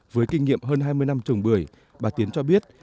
với kinh nghiệm hơn hai mươi năm trồng bưởi bà tiến cho biết